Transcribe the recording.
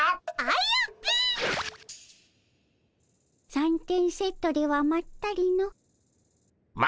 三点セットではまったりの。